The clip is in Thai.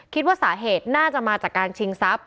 คิดว่าสาเหตุน่าจะมาจากการชิงทรัพย